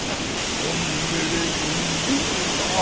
オンベレブンビンバー。